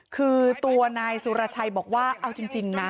คือตัวนายสุรชัยบอกว่าเอาจริงนะ